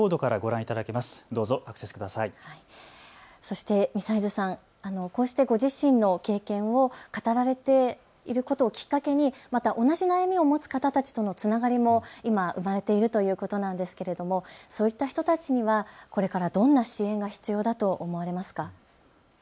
そして美齊津さん、こうしてご自身の経験を語られていることをきっかけに同じ悩みを持つ方たちとのつながりも今、生まれているということなんですけれどもそういった人たちにはこれからどんな支援が必要だと思われますか。